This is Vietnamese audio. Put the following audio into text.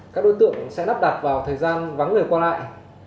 các đối tượng sẽ nắp đặt vào thời gian vắng lề qua lại